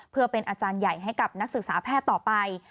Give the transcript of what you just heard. เพื่อเป็นอาจารย์ใหญ่ให้กับนักศึกษาแพทย์ต่อไป